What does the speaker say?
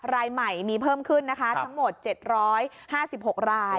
รายใหม่มีเพิ่มขึ้นนะคะทั้งหมด๗๕๖ราย